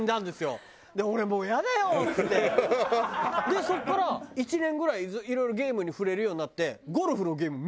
でそこから１年ぐらいいろいろゲームに触れるようになってゴルフのゲーム